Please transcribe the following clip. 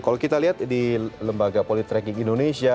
kalau kita lihat di lembaga politreking indonesia